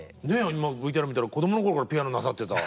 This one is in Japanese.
今ＶＴＲ見たら子供の頃からピアノなさってた。